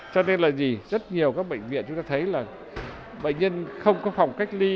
cho nên là gì rất nhiều các bệnh viện chúng ta thấy là bệnh nhân không có phòng cách ly